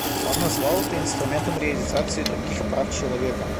Он назвал это инструментом реализации других прав человека.